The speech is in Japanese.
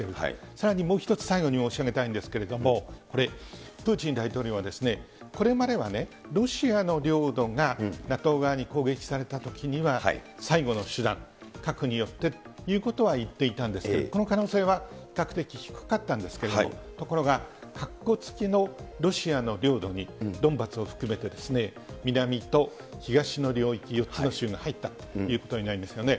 さらにもう一つ、最後に申し上げたいんですけれども、これ、プーチン大統領はこれまではロシアの領土がＮＡＴＯ側に攻撃されたときには、最後の手段、核によってということは言っていたんですけれども、この可能性は比較的低かったんですけれども、ところが、かっこつきのロシアの領土に、ドンバスを含めて、南と東の領域、４つの州が入ったということになりますよね。